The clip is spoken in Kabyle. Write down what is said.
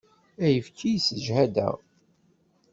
Ayefki yessejhad-aɣ.